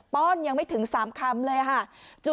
ป้อนยังไม่ถึง๓คำเลยค่ะ